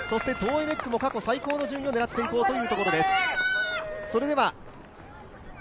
トーエネックも過去最高の順位を狙っていこうというところです。